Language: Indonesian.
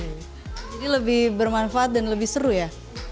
lebih bermanfaat dan lebih seru ya